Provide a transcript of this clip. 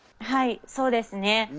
はい、そうですね。